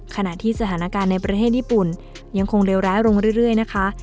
ขณะที่สถานการณ์ในประเทศญี่ปุ่นยังคงเลวร้ายลงเรื่อยนะคะ